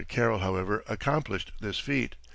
Carrel, however, accomplished this feat.